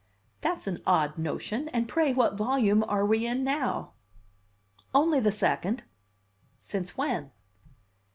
"That's an odd notion! And pray what volume are we in now?" "Only the second." "Since when?"